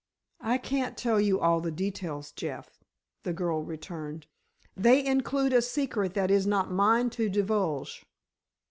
"I can't tell you all the details, Jeff," the girl returned, "they include a secret that is not mine to divulge."